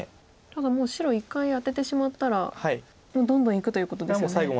ただもう白一回アテてしまったらどんどんいくということですよね。